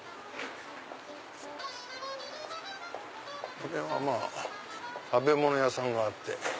これはまぁ食べ物屋さんがあって。